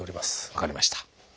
分かりました。